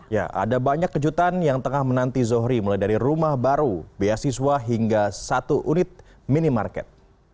ya ada banyak kejutan yang tengah menanti zohri mulai dari rumah baru beasiswa hingga satu unit minimarket